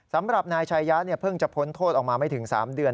สำหรับนายชายะเพิ่งจะพ้นโทษออกมาไม่ถึง๓เดือน